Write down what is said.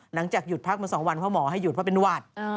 หลังจากหยุดพักมา๒วันเพราะหมอให้หยุดเพราะเป็นหวัด